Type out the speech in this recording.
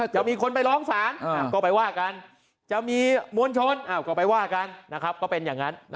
จะมีคนไปร้องศาลก็ไปว่ากันจะมีมวลชนก็ไปว่ากันก็เป็นอย่างนั้น